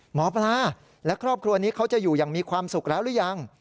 หมอปลาและครอบครัวนี้เขาจะอยู่อย่างมีความสุขแล้วหรือยัง